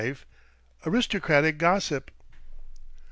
ARISTOCRATIC GOSSIP.